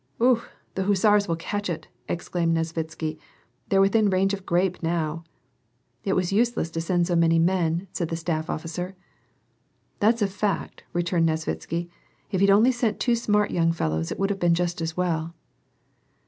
"Okh! the hussars will catch it!" exclaimed Nesvitsky, " They're within range of grape now." It was useless to send so many men," said the staff officer. "That's a fact," returned Nesvitsky, "If he'd only sent two smart young fellows, it would have boon just as well."